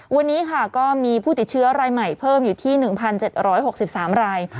วันนี้ค่ะก็มีผู้ติดเชื้อรายใหม่เพิ่มอยู่ที่๑๗๖๓ราย